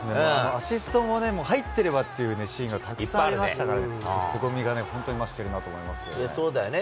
アシストも入ってればってシーンがたくさんありましたからね、すごみが本当に増してるなと思いますね。